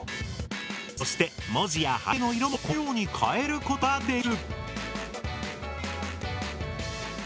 そして文字や背景の色もこのように変えることができる。